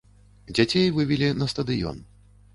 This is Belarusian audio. Дзяцей вывелі на стадыён.